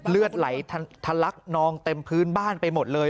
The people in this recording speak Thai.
เลือดไหลทะลักนองเต็มพื้นบ้านไปหมดเลย